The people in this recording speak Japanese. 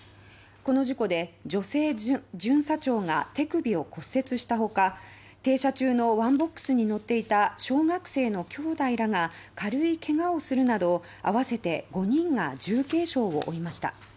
この事故で、女性巡査長が手首を骨折したほか停車中のワンボックスに乗っていた小学生の兄弟らが軽いけがをするなどあわせて５人が重軽傷を負いました。